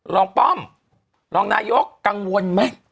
ป้อมรองนายกกังวลไหม